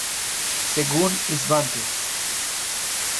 Según Svante.